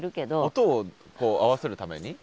音を合わせるために？